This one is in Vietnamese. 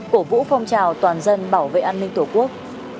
cổ vũ phong trào toàn dân bảo vệ an ninh tổ quốc